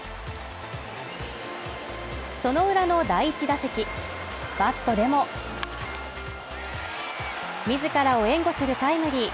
その裏の第１打席バットでもみずからを援護するタイムリー